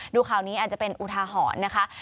ดูข่าวนี้อาจจะเป็นอุทาหรณ์นะคะ